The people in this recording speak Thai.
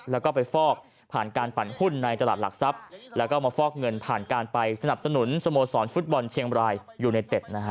แล้วก็ไปฟอกผ่านการปั่นหุ้นในตลาดหลักทรัพย์แล้วก็มาฟอกเงินผ่านการไปสนับสนุนสโมสรฟุตบอลเชียงบรายยูไนเต็ดนะฮะ